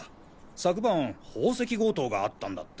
昨晩宝石強盗があったんだって。